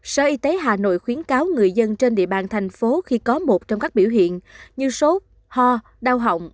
sở y tế hà nội khuyến cáo người dân trên địa bàn thành phố khi có một trong các biểu hiện như sốt ho đau họng